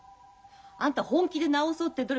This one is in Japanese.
あんた本気で治そうって努力